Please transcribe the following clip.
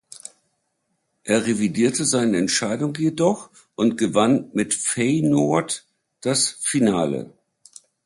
Er revidierte seine Entscheidung jedoch und gewann mit Feyenoord das Finale.